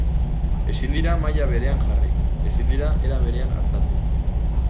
Ezin dira maila berean jarri, ezin dira era berean artatu.